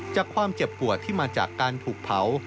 ความเจ็บปวดที่มาจากการถูกเผา